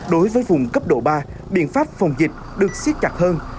đối với vùng cấp độ ba biện pháp phòng dịch được xiết chặt hơn